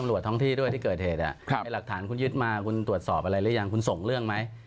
หลักฐานคุณยึดมาคุณตรวจสอบอะไรหรือยังคุณส่งเรื่องไหม